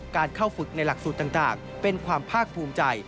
การเข้าฝึกในหลักสูตรต่างเป็นความภาคภูมิใจ